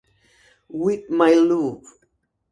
With my Luv!